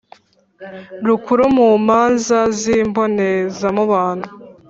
Rukuru mu manza z imbonezamubano